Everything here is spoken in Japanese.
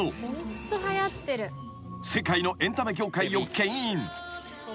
［世界のエンタメ業界をけん引］